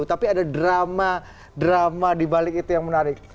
tapi ada drama di balik itu yang menarik